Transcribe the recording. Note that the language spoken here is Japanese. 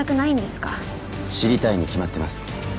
知りたいに決まってます。